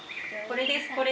これです